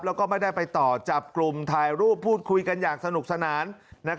แล้วก็ไม่ได้ไปต่อจับกลุ่มถ่ายรูปพูดคุยกันอย่างสนุกสนาน